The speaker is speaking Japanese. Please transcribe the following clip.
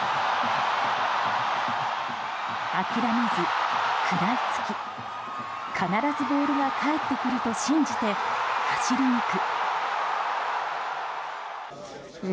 諦めず、食らいつき必ずボールが返ってくると信じて走り抜く。